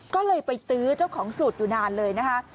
ก็เลยไปตื้อเจ้าของสูตรอยู่นานเลยนะคะ